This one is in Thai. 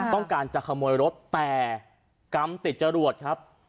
ต้องการจะขโมยรถแต่กรรมติดจรวดครับ